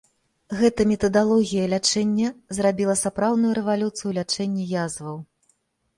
Гэта метадалогія лячэння зрабіла сапраўдную рэвалюцыю ў лячэнні язваў.